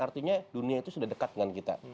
artinya dunia itu sudah dekat dengan kita